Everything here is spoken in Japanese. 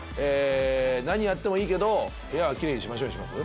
「何やってもいいけど部屋はきれいにしましょう」にします？